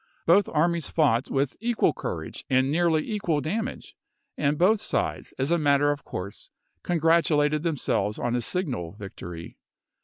Both armies fought with equal courage and nearly equal damage, and both sides, as a matter of course, congratulated them selves od a signal victory.